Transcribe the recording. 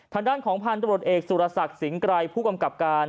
ทางด้านของพาลตรวจเอกสุรสัตว์สิงห์ไกรผู้กำกับการ